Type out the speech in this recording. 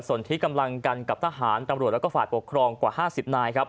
ส่วนที่กำลังกันกับทหารตำรวจและฝ่ายปกครองกว่า๕๐นายครับ